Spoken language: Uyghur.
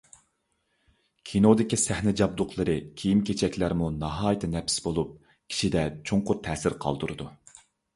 ﻛﯩﻨﻮﺩﯨﻜﻰ ﺳﻪﮪﻨﻪ ﺟﺎﺑﺪﯗﻗﻠﯩﺮى، ﻛﯩﻴﯩﻢ-ﻛﯧﭽﻪﻛﻠﻪﺭﻣﯘ ﻧﺎﮪﺎﻳﯩﺘﻰ ﻧﻪﭘﯩﺲ ﺑﻮﻟﯘﭖ، ﻛﯩﺸﯩﺪﻩ ﭼﻮﯕﻘﯘﺭ ﺗﻪﺳﯩﺮ ﻗﺎﻟﺪﯗﺭﯨﺪﯗ.